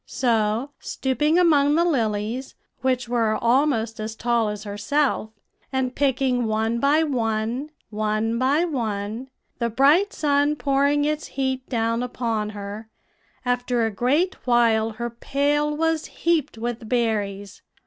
"So, stooping among the lilies, which were almost as tall as herself, and picking one by one, one by one, the bright sun pouring its heat down upon her, after a great while her pail was heaped with berries.